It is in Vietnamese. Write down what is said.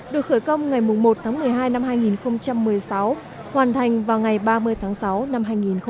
được khởi công ngày một tháng một mươi hai năm hai nghìn một mươi sáu hoàn thành vào ngày ba mươi tháng sáu năm hai nghìn một mươi bảy